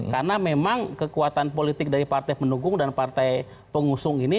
karena memang kekuatan politik dari partai pendukung dan partai pengusung ini